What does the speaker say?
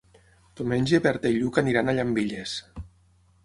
Diumenge na Berta i en Lluc iran a Llambilles.